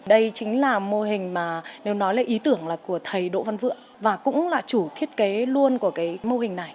đây chính là mô hình mà nếu nói lên ý tưởng là của thầy đỗ văn vượng và cũng là chủ thiết kế luôn của cái mô hình này